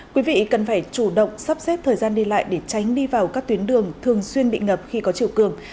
quý vị cần phải chủ động sắp xếp thời gian đi lại để tránh đi vào các tuyến đường thường xuyên bị ngập khi có chiều cường